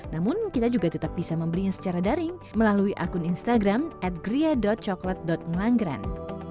namun kita juga tetap bisa membelinya secara daring melalui akun instagram atgria coklat ngelanggeran